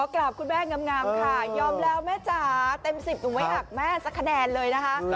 กราบคุณแม่งามค่ะยอมแล้วแม่จ๋าเต็ม๑๐หนูไม่หักแม่สักคะแนนเลยนะคะ